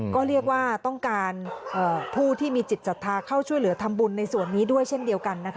ก็เรียกว่าต้องการผู้ที่มีจิตศรัทธาเข้าช่วยเหลือทำบุญในส่วนนี้ด้วยเช่นเดียวกันนะคะ